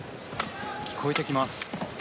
聞こえてきます。